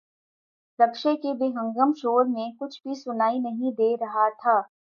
رکشے کے بے ہنگم شور میں کچھ بھی سنائی نہیں دے رہا تھا۔